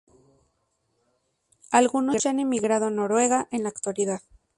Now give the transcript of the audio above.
Algunos ya han emigrado a Noruega en la actualidad.